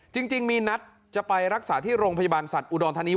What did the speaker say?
จริงมีนัดจะไปรักษาที่โรงพยาบาลสัตว์อุดรธานี